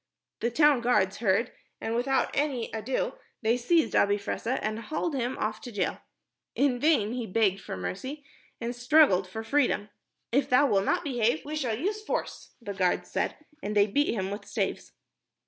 The town guards heard, and without any ado they seized Abi Fressah and hauled him off to the jail. In vain he begged for mercy and struggled for freedom. "If thou wilt not behave, we shall use force," the guards said, and they beat him with staves.